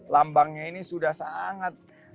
lambangnya ini sudah sangat